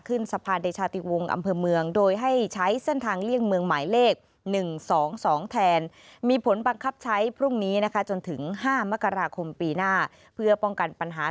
ขึ้นสะพานเดชาติวงอำเภอเมืองโดยให้ใช้เส้นทางเลี่ยงเมืองหมายเลข๑๒๒แทน